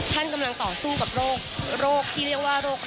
ท่านกำลังต่อสู้กับโรคที่เรียกว่าโรค